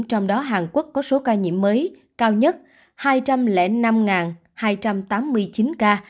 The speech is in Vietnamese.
trong đó hàn quốc có số ca nhiễm mới cao nhất hai trăm linh năm hai trăm tám mươi chín ca